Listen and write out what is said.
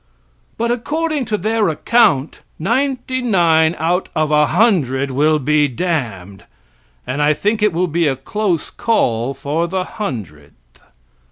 But, according to their account, ninety nine out of a hundred will be damned, and I think it will be a close call for the hundredth.